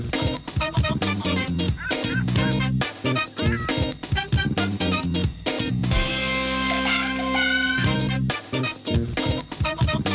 สวัสดีค่ะ